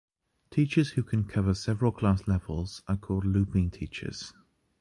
Teachers who can cover several class levels are called "looping teachers".